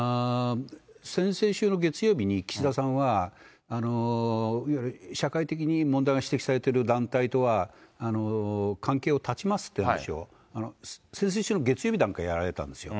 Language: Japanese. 先々週の月曜日に、岸田さんは、いわゆる社会的に問題が指摘されている団体とは、関係を断ちますって話を、先々週の月曜日の段階でやられたんですよ。